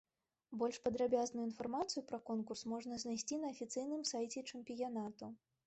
Больш падрабязную інфармацыю пра конкурс можна знайсці на афіцыйным сайце чэмпіянату.